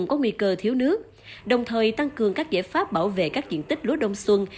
đồng thời tỉnh đã tăng cường các giải pháp bảo vệ các diện tích lúa đông xuân